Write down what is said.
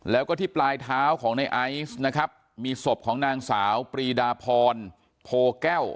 แล้วก็ที่ปลายเท้าของในไอซ์นะครับมีศพของนางสาวปรีดาพรโพแก้ว